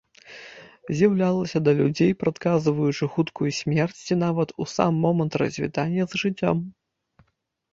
З'яўлялася да людзей, прадказваючы хуткую смерць, ці нават у сам момант развітання з жыццём.